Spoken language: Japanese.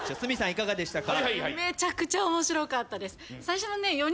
いかがでしたか？